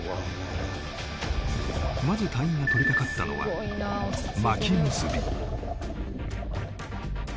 まず隊員が取り掛かったのは巻結び